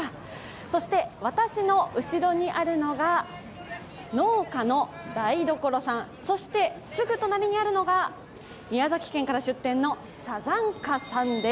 そして私の後ろにあるのが農家の台所さんそして、すぐ隣にあるのが宮崎県から出店のＳＡＺＡＮＫＡさんです